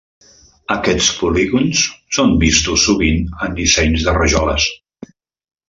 Aquests polígons són vistos sovint en dissenys de rajoles.